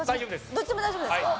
どっちでも大丈夫ですか？